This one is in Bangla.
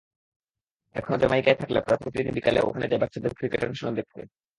এখনো জ্যামাইকায় থাকলে প্রায় প্রতিদিন বিকেলে ওখানে যাই বাচ্চাদের ক্রিকেট অনুশীলন দেখতে।